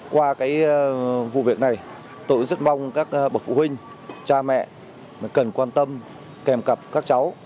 qua cái vụ việc này tụi em rất mong các bậc phụ huynh cha mẹ cần quan tâm kèm cặp các cháu